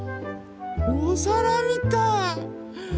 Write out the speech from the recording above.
おさらみたい！